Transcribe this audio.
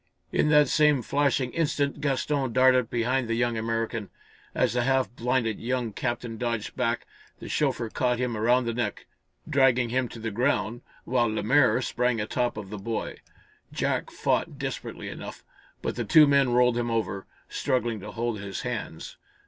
In that same flashing instant Gaston darted behind the young American. As the half blinded young captain dodged back, the chauffeur caught him around the neck, dragging him to the ground, while Lemaire sprang a top of the boy. Jack fought desperately enough, but the two men rolled him over, struggling to hold his hands.